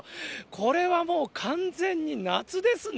これはもう完全に夏ですね。